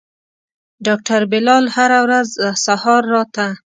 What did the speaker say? ډاکتر بلال هره ورځ سهار راته.